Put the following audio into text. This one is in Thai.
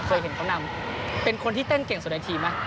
เคยเห็นเขานำเป็นคนที่เต้นเก่งสุดในทีมไหม